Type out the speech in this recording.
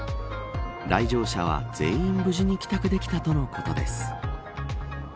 来場者は全員無事に帰宅できたとのことです。